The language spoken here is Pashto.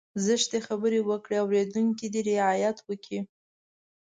زشتې خبرې وکړي اورېدونکی دې رعايت وکړي.